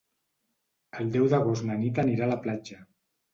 El deu d'agost na Nit anirà a la platja.